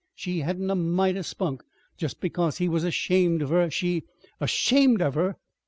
She hadn't a mite o' spunk. Just because he was ashamed of her she " "Ashamed of her!